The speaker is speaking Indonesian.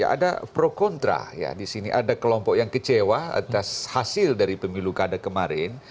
ada pro kontra ya di sini ada kelompok yang kecewa atas hasil dari pemilu kada kemarin